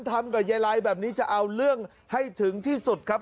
ทำกับยายไรแบบนี้จะเอาเรื่องให้ถึงที่สุดครับ